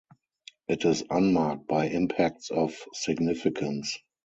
It is unmarked by impacts of significance.